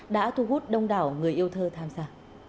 đã thu hút đông đảo người yêu thơ tham gia